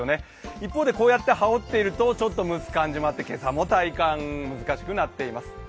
一方でこうやって羽織っていると蒸す感じもあって今朝も体感、難しくなっています。